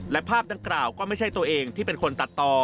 และภาพดังกล่าวก็ไม่ใช่ตัวเองที่เป็นคนตัดต่อ